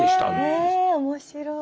え面白い。